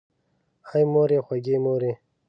آی مورې خوږې مورې!